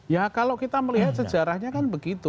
ya kalau kita melihat sejarahnya kan begitu